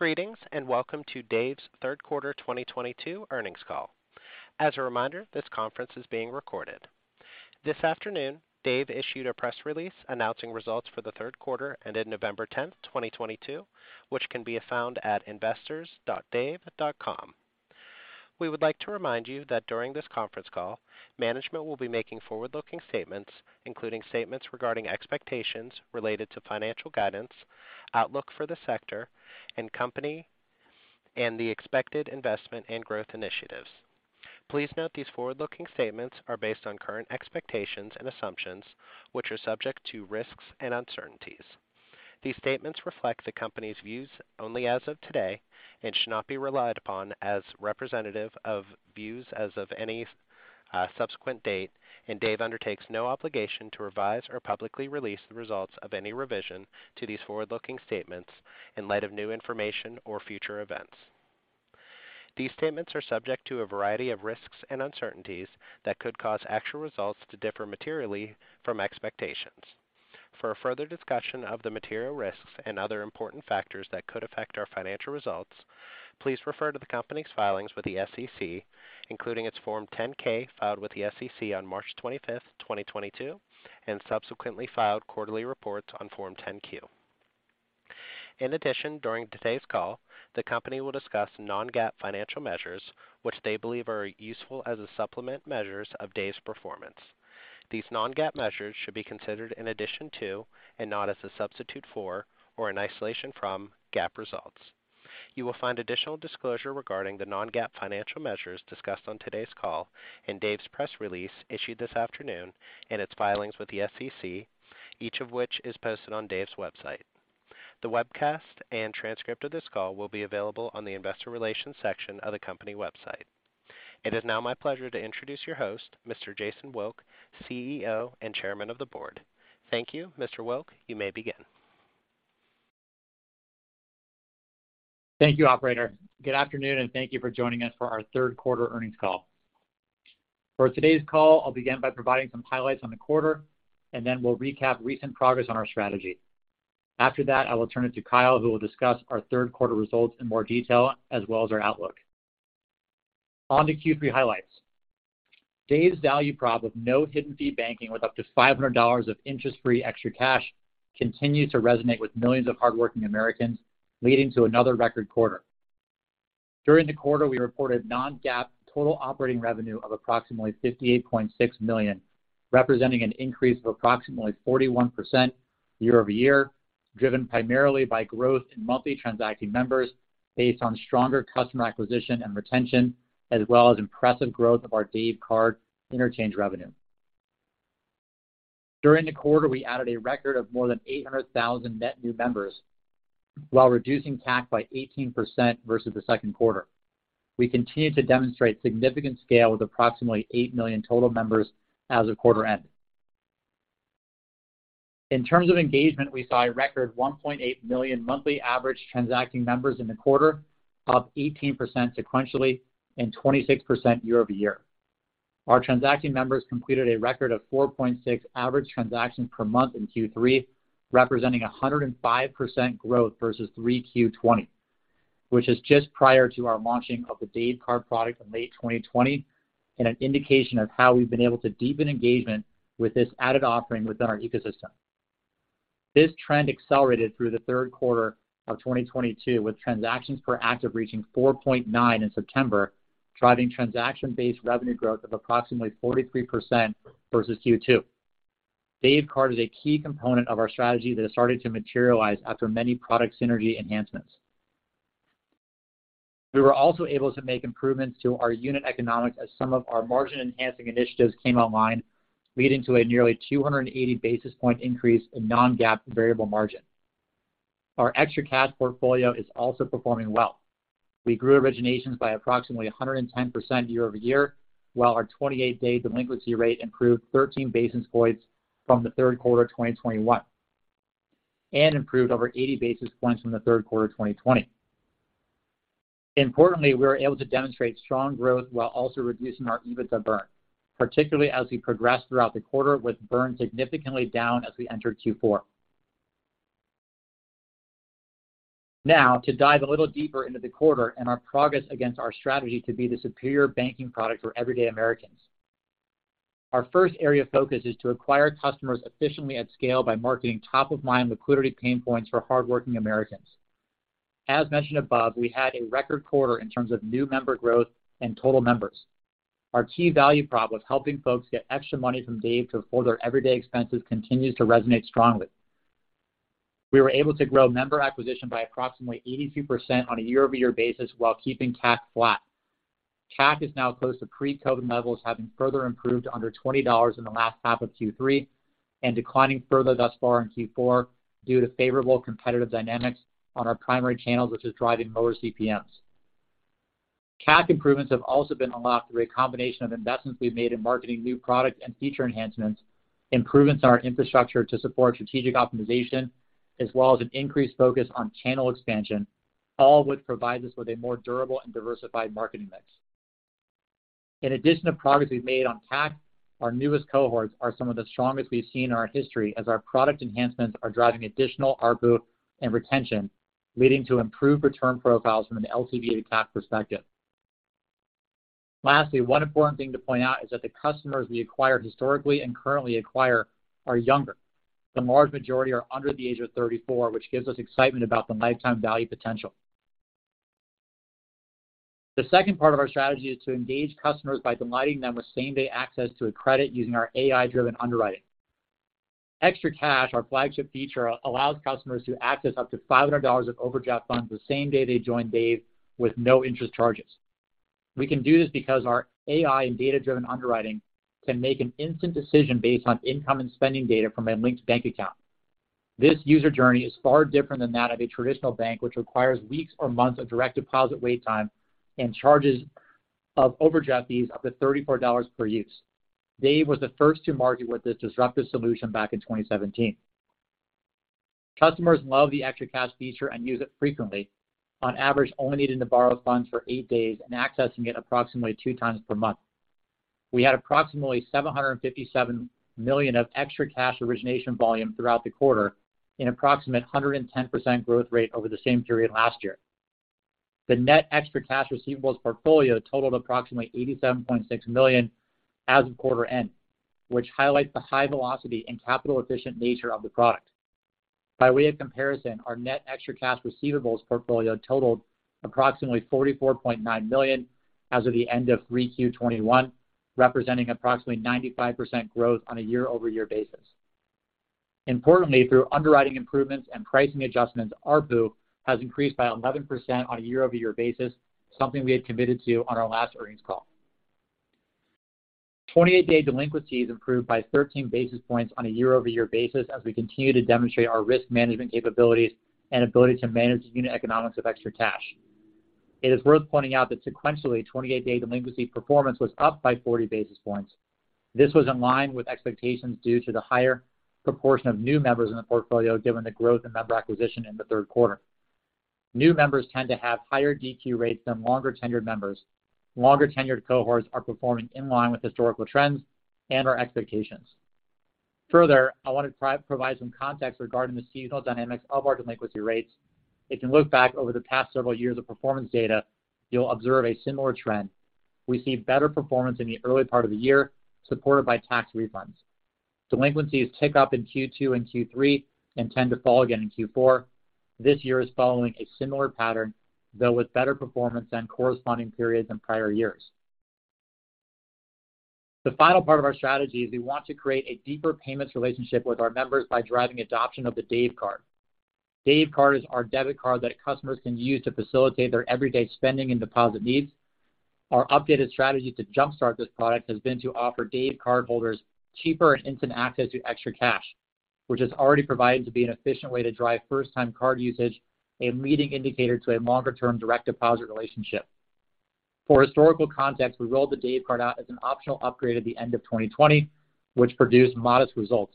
Greetings, and welcome to Dave's third quarter 2022 earnings call. As a reminder, this conference is being recorded. This afternoon, Dave issued a press release announcing results for the third quarter and ended November 10, 2022, which can be found at investors.dave.com. We would like to remind you that during this conference call, management will be making forward-looking statements, including statements regarding expectations related to financial guidance, outlook for the sector and company, and the expected investment and growth initiatives. Please note these forward-looking statements are based on current expectations and assumptions, which are subject to risks and uncertainties. These statements reflect the company's views only as of today and should not be relied upon as representative of views as of any subsequent date, and Dave undertakes no obligation to revise or publicly release the results of any revision to these forward-looking statements in light of new information or future events. These statements are subject to a variety of risks and uncertainties that could cause actual results to differ materially from expectations. For a further discussion of the material risks and other important factors that could affect our financial results, please refer to the company's filings with the SEC, including its Form 10-K filed with the SEC on March 25, 2022, and subsequently filed quarterly reports on Form 10-Q. In addition, during today's call, the company will discuss non-GAAP financial measures which they believe are useful as a supplement to measures of Dave's performance. These non-GAAP measures should be considered in addition to and not as a substitute for or in isolation from GAAP results. You will find additional disclosure regarding the non-GAAP financial measures discussed on today's call in Dave's press release issued this afternoon and its filings with the SEC, each of which is posted on Dave's website. The webcast and transcript of this call will be available on the investor relations section of the company website. It is now my pleasure to introduce your host, Mr. Jason Wilk, CEO and Chairman of the Board. Thank you, Mr. Wilk. You may begin. Thank you, operator. Good afternoon, and thank you for joining us for our third quarter earnings call. For today's call, I'll begin by providing some highlights on the quarter, and then we'll recap recent progress on our strategy. After that, I will turn it to Kyle, who will discuss our third quarter results in more detail as well as our outlook. On to Q3 highlights. Dave's value prop of no hidden fee banking with up to $500 of interest-free extra cash continued to resonate with millions of hardworking Americans, leading to another record quarter. During the quarter, we reported non-GAAP total operating revenue of approximately $58.6 million, representing an increase of approximately 41% year-over-year, driven primarily by growth in monthly transacting members based on stronger customer acquisition and retention, as well as impressive growth of our Dave Card interchange revenue. During the quarter, we added a record of more than 800,000 net new members while reducing CAC by 18% versus the second quarter. We continued to demonstrate significant scale with approximately 8 million total members as of quarter end. In terms of engagement, we saw a record 1.8 million monthly average transacting members in the quarter, up 18% sequentially and 26% year-over-year. Our transacting members completed a record of 4.6 average transactions per month in Q3, representing 105% growth versus Q3 2020, which is just prior to our launching of the Dave Card product in late 2020, and an indication of how we've been able to deepen engagement with this added offering within our ecosystem. This trend accelerated through the third quarter of 2022, with transactions per active reaching 4.9 in September, driving transaction-based revenue growth of approximately 43% versus Q2. Dave Card is a key component of our strategy that has started to materialize after many product synergy enhancements. We were also able to make improvements to our unit economics as some of our margin-enhancing initiatives came online, leading to a nearly 280 basis point increase in non-GAAP variable margin. Our ExtraCash portfolio is also performing well. We grew originations by approximately 110% year-over-year, while our 28-day delinquency rate improved 13 basis points from the third quarter of 2021 and improved over 80 basis points from the third quarter of 2020. Importantly, we were able to demonstrate strong growth while also reducing our EBITDA burn, particularly as we progressed throughout the quarter with burn significantly down as we entered Q4. Now to dive a little deeper into the quarter and our progress against our strategy to be the superior banking product for everyday Americans. Our first area of focus is to acquire customers efficiently at scale by marketing top-of-mind liquidity pain points for hardworking Americans. As mentioned above, we had a record quarter in terms of new member growth and total members. Our key value prop was helping folks get extra money from Dave to afford their everyday expenses continues to resonate strongly. We were able to grow member acquisition by approximately 82% on a year-over-year basis while keeping CAC flat. CAC is now close to pre-COVID levels, having further improved to under $20 in the last half of Q3 and declining further thus far in Q4 due to favorable competitive dynamics on our primary channels, which is driving lower CPMs. CAC improvements have also been unlocked through a combination of investments we've made in marketing new products and feature enhancements, improvements in our infrastructure to support strategic optimization, as well as an increased focus on channel expansion, all which provide us with a more durable and diversified marketing mix. In addition to progress we've made on CAC, our newest cohorts are some of the strongest we've seen in our history as our product enhancements are driving additional ARPU and retention, leading to improved return profiles from an LTV to CAC perspective. Lastly, one important thing to point out is that the customers we acquire historically and currently acquire are younger. The large majority are under the age of 34, which gives us excitement about the lifetime value potential. The second part of our strategy is to engage customers by delighting them with same-day access to a credit using our AI-driven underwriting. ExtraCash, our flagship feature, allows customers to access up to $500 of overdraft funds the same day they join Dave with no interest charges. We can do this because our AI and data-driven underwriting can make an instant decision based on income and spending data from a linked bank account. This user journey is far different than that of a traditional bank, which requires weeks or months of direct deposit wait time and charges of overdraft fees up to $34 per use. Dave was the first to market with this disruptive solution back in 2017. Customers love the ExtraCash feature and use it frequently. On average, only needing to borrow funds for eight days and accessing it approximately two times per month. We had approximately $757 million of ExtraCash origination volume throughout the quarter in approximate 110% growth rate over the same period last year. The net ExtraCash receivables portfolio totaled approximately $87.6 million as of quarter end, which highlights the high velocity and capital-efficient nature of the product. By way of comparison, our net ExtraCash receivables portfolio totaled approximately $44.9 million as of the end of 3Q2021, representing approximately 95% growth on a year-over-year basis. Importantly, through underwriting improvements and pricing adjustments, ARPU has increased by 11% on a year-over-year basis, something we had committed to on our last earnings call. 28-day delinquencies improved by 13 basis points on a year-over-year basis as we continue to demonstrate our risk management capabilities and ability to manage the unit economics of ExtraCash. It is worth pointing out that sequentially 28-day delinquency performance was up by 40 basis points. This was in line with expectations due to the higher proportion of new members in the portfolio, given the growth in member acquisition in the third quarter. New members tend to have higher DQ rates than longer-tenured members. Longer-tenured cohorts are performing in line with historical trends and our expectations. Further, I want to provide some context regarding the seasonal dynamics of our delinquency rates. If you look back over the past several years of performance data, you'll observe a similar trend. We see better performance in the early part of the year, supported by tax refunds. Delinquencies tick up in Q2 and Q3 and tend to fall again in Q4. This year is following a similar pattern, though with better performance than corresponding periods in prior years. The final part of our strategy is we want to create a deeper payments relationship with our members by driving adoption of the Dave card. Dave card is our debit card that customers can use to facilitate their everyday spending and deposit needs. Our updated strategy to jumpstart this product has been to offer Dave Cardholders cheaper and instant access to ExtraCash, which has already proven to be an efficient way to drive first-time card usage, a leading indicator to a longer-term direct deposit relationship. For historical context, we rolled the Dave Card out as an optional upgrade at the end of 2020, which produced modest results.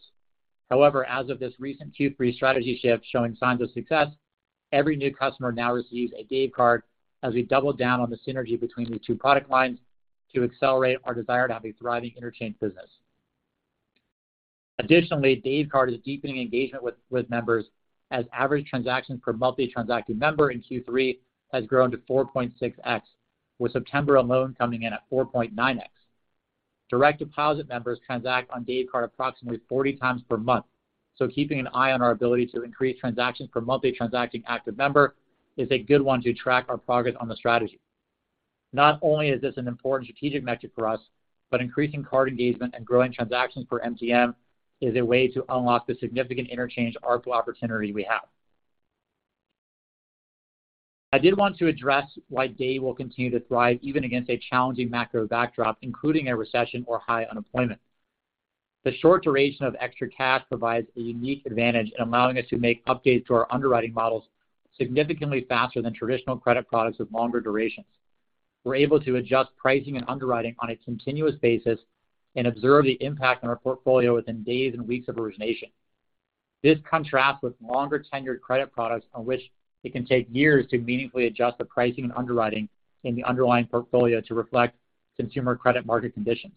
However, as of this recent Q3 strategy shift showing signs of success, every new customer now receives a Dave Card as we double down on the synergy between the two product lines to accelerate our desire to have a thriving interchange business. Additionally, Dave Card is deepening engagement with members as average transactions per monthly transacted member in Q3 has grown to 4.6x, with September alone coming in at 4.9x. Direct deposit members transact on Dave Card approximately 40 times per month. Keeping an eye on our ability to increase transactions per monthly transacting active member is a good one to track our progress on the strategy. Not only is this an important strategic metric for us, but increasing card engagement and growing transactions per MTM is a way to unlock the significant interchange ARPU opportunity we have. I did want to address why Dave will continue to thrive even against a challenging macro backdrop, including a recession or high unemployment. The short duration of ExtraCash provides a unique advantage in allowing us to make updates to our underwriting models significantly faster than traditional credit products with longer durations. We're able to adjust pricing and underwriting on a continuous basis and observe the impact on our portfolio within days and weeks of origination. This contrasts with longer-tenured credit products on which it can take years to meaningfully adjust the pricing and underwriting in the underlying portfolio to reflect consumer credit market conditions.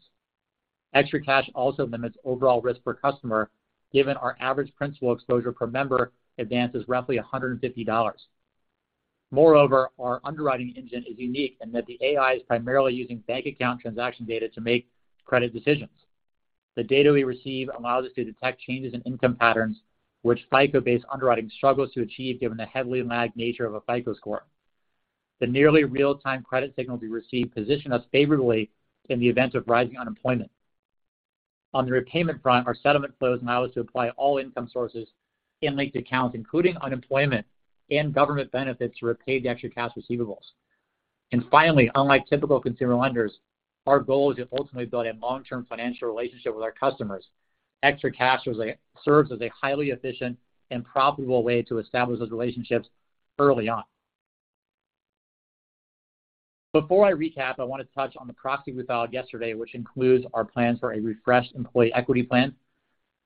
ExtraCash also limits overall risk per customer, given our average principal exposure per member advances roughly $150. Moreover, our underwriting engine is unique in that the AI is primarily using bank account transaction data to make credit decisions. The data we receive allows us to detect changes in income patterns, which FICO-based underwriting struggles to achieve, given the heavily lagged nature of a FICO score. The nearly real-time credit signal we receive position us favorably in the event of rising unemployment. On the repayment front, our settlement flows allow us to apply all income sources in linked accounts, including unemployment and government benefits, to repay the ExtraCash receivables. Finally, unlike typical consumer lenders, our goal is to ultimately build a long-term financial relationship with our customers. ExtraCash serves as a highly efficient and profitable way to establish those relationships early on. Before I recap, I want to touch on the proxy we filed yesterday, which includes our plans for a refreshed employee equity plan.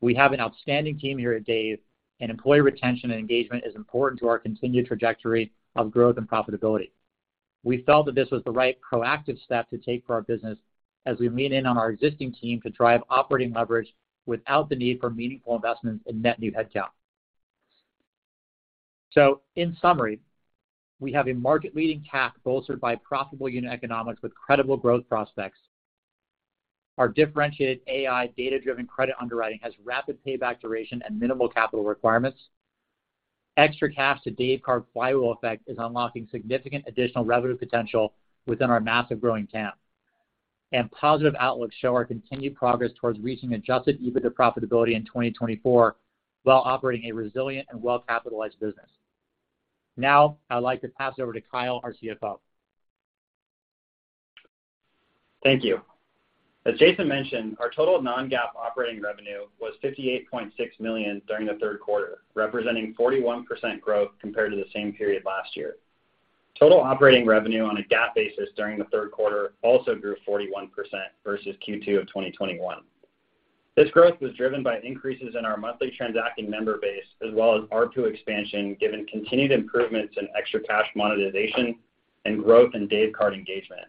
We have an outstanding team here at Dave, and employee retention and engagement is important to our continued trajectory of growth and profitability. We felt that this was the right proactive step to take for our business as we lean in on our existing team to drive operating leverage without the need for meaningful investments in net new headcount. In summary, we have a market-leading CAC bolstered by profitable unit economics with credible growth prospects. Our differentiated AI data-driven credit underwriting has rapid payback duration and minimal capital requirements. ExtraCash to Dave Card flywheel effect is unlocking significant additional revenue potential within our massive growing TAM. Positive outlooks show our continued progress towards reaching Adjusted EBITDA profitability in 2024 while operating a resilient and well-capitalized business. Now, I'd like to pass it over to Kyle, our CFO. Thank you. As Jason mentioned, our total non-GAAP operating revenue was $58.6 million during the third quarter, representing 41% growth compared to the same period last year. Total operating revenue on a GAAP basis during the third quarter also grew 41% versus Q2 of 2021. This growth was driven by increases in our monthly transacting member base as well as R2 expansion given continued improvements in extra cash monetization and growth in Dave Card engagement.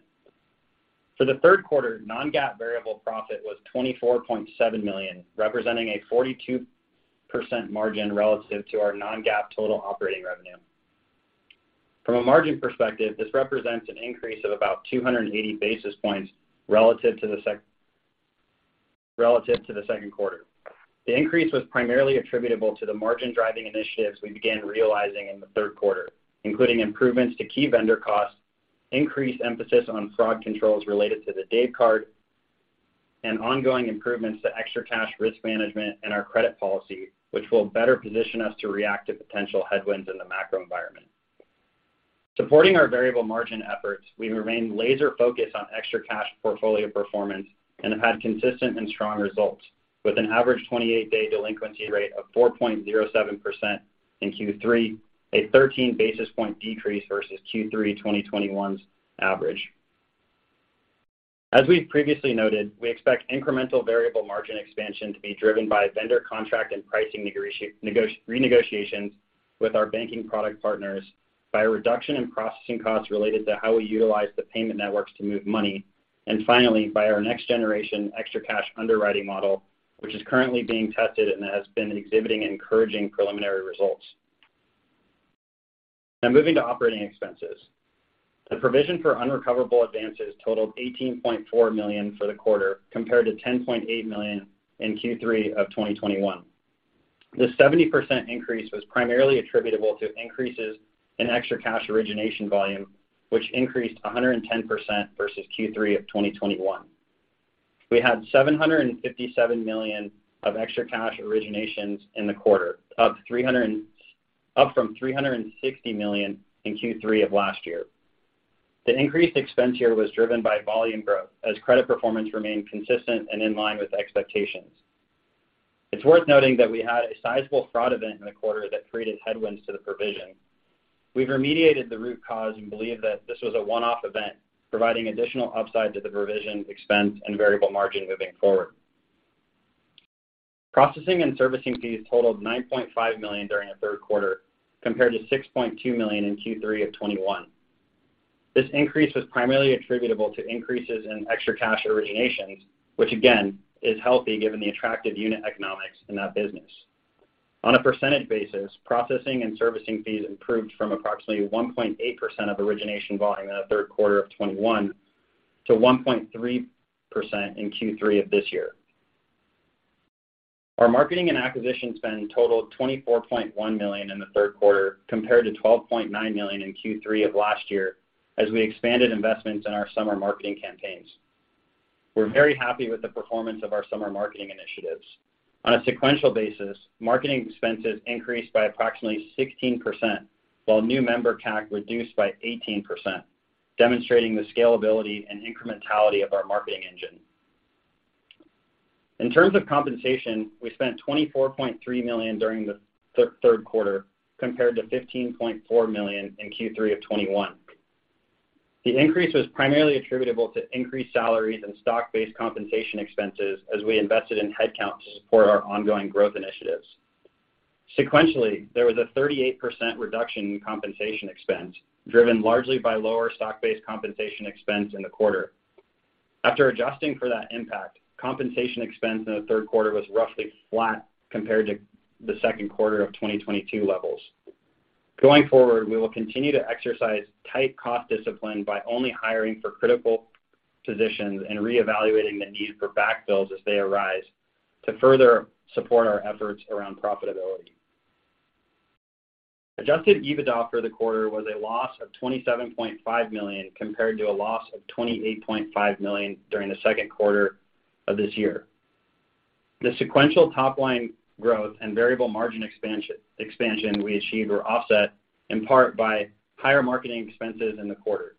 For the third quarter, non-GAAP variable profit was $24.7 million, representing a 42% margin relative to our non-GAAP total operating revenue. From a margin perspective, this represents an increase of about 280 basis points relative to the second quarter. The increase was primarily attributable to the margin-driving initiatives we began realizing in the third quarter, including improvements to key vendor costs, increased emphasis on fraud controls related to the Dave Card, and ongoing improvements to ExtraCash risk management and our credit policy, which will better position us to react to potential headwinds in the macro environment. Supporting our variable margin efforts, we remain laser-focused on ExtraCash portfolio performance and have had consistent and strong results with an average 28-day delinquency rate of 4.07% in Q3, a 13 basis point decrease versus Q3 2021's average. As we've previously noted, we expect incremental variable margin expansion to be driven by vendor contract and pricing renegotiations with our banking product partners by a reduction in processing costs related to how we utilize the payment networks to move money, and finally, by our next-generation ExtraCash underwriting model, which is currently being tested and has been exhibiting encouraging preliminary results. Now moving to operating expenses. The provision for unrecoverable advances totaled $18.4 million for the quarter compared to $10.8 million in Q3 of 2021. The 70% increase was primarily attributable to increases in ExtraCash origination volume, which increased 110% versus Q3 of 2021. We had $757 million of ExtraCash originations in the quarter, up from $360 million in Q3 of last year. The increased expense here was driven by volume growth as credit performance remained consistent and in line with expectations. It's worth noting that we had a sizable fraud event in the quarter that created headwinds to the provision. We've remediated the root cause and believe that this was a one-off event, providing additional upside to the provision expense and variable margin moving forward. Processing and servicing fees totaled $9.5 million during the third quarter compared to $6.2 million in Q3 of 2021. This increase was primarily attributable to increases in ExtraCash originations, which again is healthy given the attractive unit economics in that business. On a percentage basis, processing and servicing fees improved from approximately 1.8% of origination volume in the third quarter of 2021 to 1.3% in Q3 of this year. Our marketing and acquisition spend totaled $24.1 million in the third quarter compared to $12.9 million in Q3 of last year as we expanded investments in our summer marketing campaigns. We're very happy with the performance of our summer marketing initiatives. On a sequential basis, marketing expenses increased by approximately 16% while new member CAC reduced by 18%, demonstrating the scalability and incrementality of our marketing engine. In terms of compensation, we spent $24.3 million during the third quarter compared to $15.4 million in Q3 of 2021. The increase was primarily attributable to increased salaries and stock-based compensation expenses as we invested in headcount to support our ongoing growth initiatives. Sequentially, there was a 38% reduction in compensation expense, driven largely by lower stock-based compensation expense in the quarter. After adjusting for that impact, compensation expense in the third quarter was roughly flat compared to the second quarter of 2022 levels. Going forward, we will continue to exercise tight cost discipline by only hiring for critical positions and reevaluating the need for backfills as they arise to further support our efforts around profitability. Adjusted EBITDA for the quarter was a loss of $27.5 million compared to a loss of $28.5 million during the second quarter of this year. The sequential top-line growth and variable margin expansion we achieved were offset in part by higher marketing expenses in the quarter.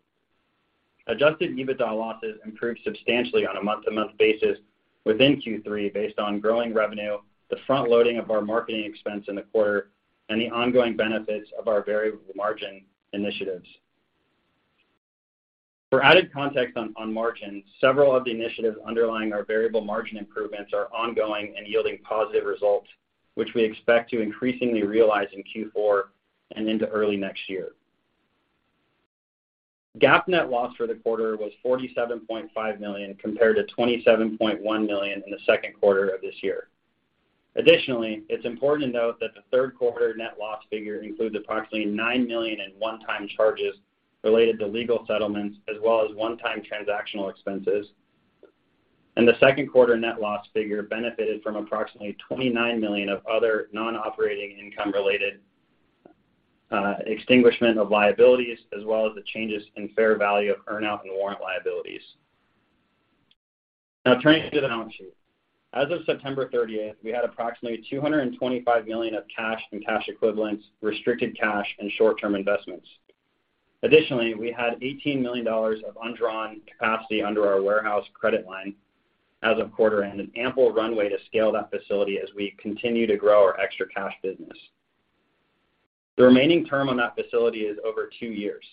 Adjusted EBITDA losses improved substantially on a month-to-month basis within Q3 based on growing revenue, the front-loading of our marketing expense in the quarter, and the ongoing benefits of our variable margin initiatives. For added context on margins, several of the initiatives underlying our variable margin improvements are ongoing and yielding positive results, which we expect to increasingly realize in Q4 and into early next year. GAAP net loss for the quarter was $47.5 million, compared to $27.1 million in the second quarter of this year. Additionally, it's important to note that the third quarter net loss figure includes approximately $9 million in one-time charges related to legal settlements as well as one-time transactional expenses. The second quarter net loss figure benefited from approximately $29 million of other non-operating income related to extinguishment of liabilities as well as the changes in fair value of earn-out and warrant liabilities. Now turning to the balance sheet. As of September 30, we had approximately $225 million of cash and cash equivalents, restricted cash, and short-term investments. Additionally, we had $18 million of undrawn capacity under our warehouse credit line as of quarter end, an ample runway to scale that facility as we continue to grow our ExtraCash business. The remaining term on that facility is over two years.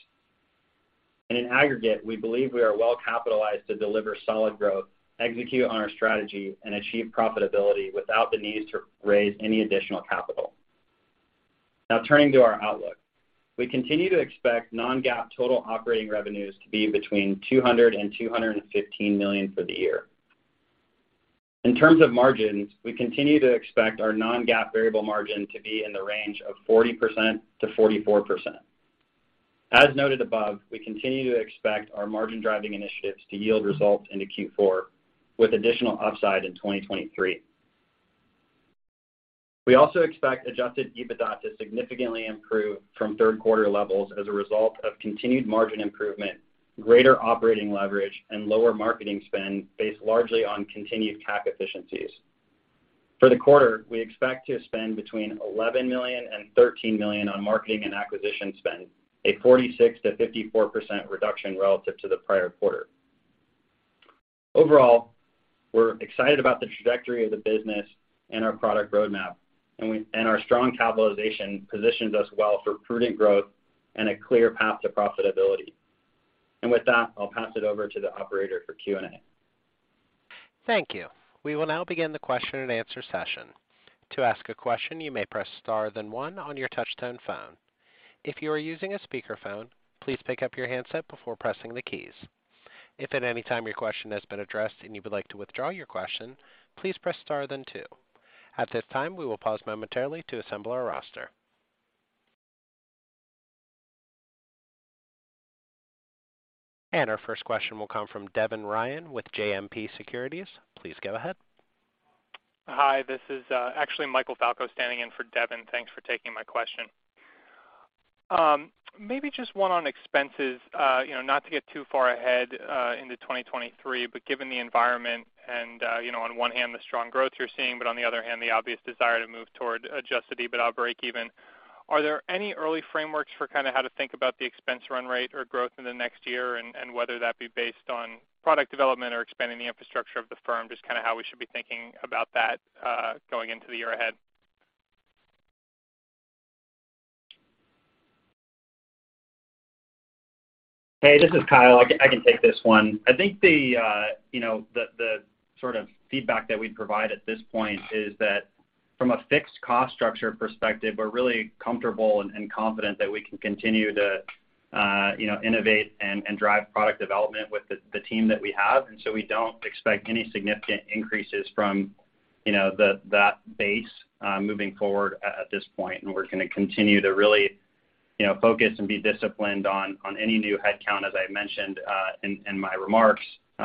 In aggregate, we believe we are well capitalized to deliver solid growth, execute on our strategy, and achieve profitability without the need to raise any additional capital. Now turning to our outlook. We continue to expect non-GAAP total operating revenues to be between $200 million and $215 million for the year. In terms of margins, we continue to expect our non-GAAP variable margin to be in the range of 40%-44%. As noted above, we continue to expect our margin-driving initiatives to yield results into Q4 with additional upside in 2023. We also expect Adjusted EBITDA to significantly improve from third quarter levels as a result of continued margin improvement, greater operating leverage, and lower marketing spend based largely on continued CAC efficiencies. For the quarter, we expect to spend between $11 million and $13 million on marketing and acquisition spend, a 46%-54% reduction relative to the prior quarter. Overall, we're excited about the trajectory of the business and our product roadmap, and our strong capitalization positions us well for prudent growth and a clear path to profitability. With that, I'll pass it over to the operator for Q&A. Thank you. We will now begin the question-and-answer session. To ask a question, you may press star then one on your touch-tone phone. If you are using a speakerphone, please pick up your handset before pressing the keys. If at any time your question has been addressed and you would like to withdraw your question, please press star then two. At this time, we will pause momentarily to assemble our roster. Our first question will come from Devin Ryan with JMP Securities. Please go ahead. Hi, this is actually Michael Falco standing in for Devin. Thanks for taking my question. Maybe just one on expenses. You know, not to get too far ahead into 2023, but given the environment and you know, on one hand, the strong growth you're seeing, but on the other hand, the obvious desire to move toward Adjusted EBITDA breakeven, are there any early frameworks for kinda how to think about the expense run rate or growth in the next year and whether that be based on product development or expanding the infrastructure of the firm? Just kinda how we should be thinking about that going into the year ahead. Hey, this is Kyle. I can take this one. I think you know, the sort of feedback that we'd provide at this point is that from a fixed cost structure perspective, we're really comfortable and confident that we can continue to you know, innovate and drive product development with the team that we have, and so we don't expect any significant increases from you know, that base moving forward at this point. We're gonna continue to really you know, focus and be disciplined on any new headcount, as I mentioned in my remarks,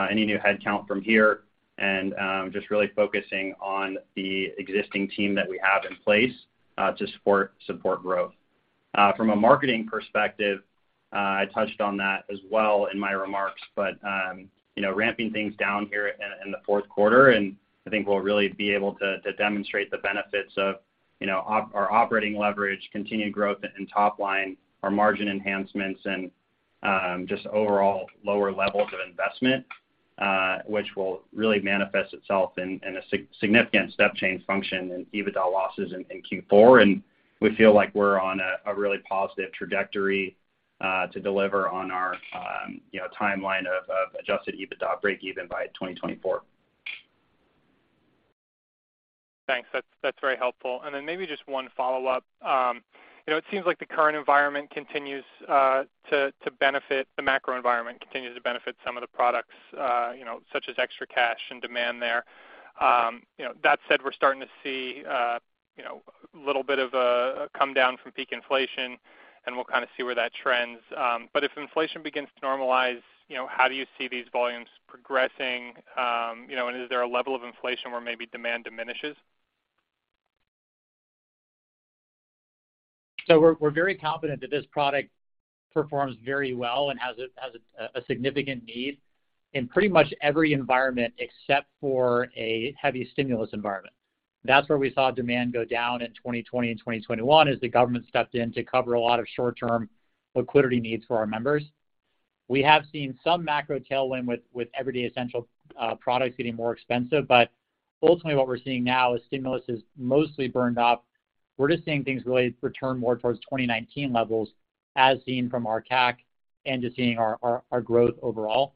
any new headcount from here and just really focusing on the existing team that we have in place to support growth. From a marketing perspective, I touched on that as well in my remarks, but you know, ramping things down here in the fourth quarter. I think we'll really be able to demonstrate the benefits of, you know, our operating leverage, continued growth in top line, our margin enhancements, and just overall lower levels of investment, which will really manifest itself in a significant step change function in EBITDA losses in Q4. We feel like we're on a really positive trajectory to deliver on our, you know, timeline of Adjusted EBITDA breakeven by 2024. Thanks. That's very helpful. Maybe just one follow-up. You know, it seems like the current environment continues to benefit some of the products, you know, such as ExtraCash and demand there. You know, that said, we're starting to see a little bit of a comedown from peak inflation, and we'll kind of see where that trends. If inflation begins to normalize, you know, how do you see these volumes progressing? You know, and is there a level of inflation where maybe demand diminishes? We're very confident that this product performs very well and has a significant need in pretty much every environment except for a heavy stimulus environment. That's where we saw demand go down in 2020 and 2021, as the government stepped in to cover a lot of short-term liquidity needs for our members. We have seen some macro tailwind with everyday essential products getting more expensive. Ultimately, what we're seeing now is stimulus is mostly burned up. We're just seeing things really return more towards 2019 levels, as seen from our CAC and just seeing our growth overall.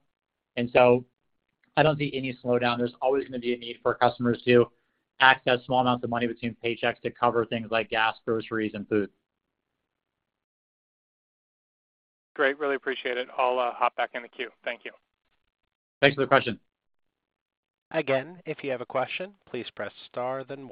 I don't see any slowdown. There's always gonna be a need for customers to access small amounts of money between paychecks to cover things like gas, groceries, and food. Great. Really appreciate it. I'll hop back in the queue. Thank you. Thanks for the question. Again, if you have a question, please press star then one.